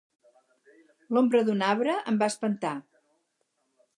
L'ombra d'un arbre em va espantar